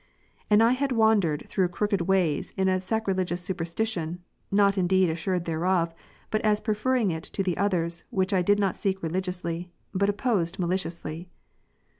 And I had wandered through crooked ways in a sacrilegious superstition ", not indeed assured thereof, but as preferring it to the others which I did not seek religiously, but opposed maliciously.